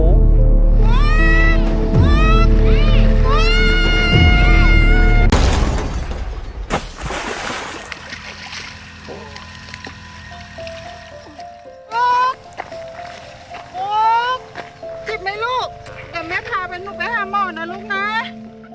ลูกจิบไหมลูกเดี๋ยวเมฆพาไปลูกไปหาหมอดน่ะลูกน่ะ